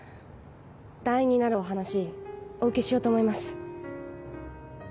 団員になるお話お受けしようと思います。